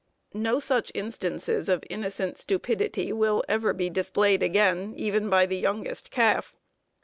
No such instances of innocent stupidity will ever be displayed again, even by the youngest calf.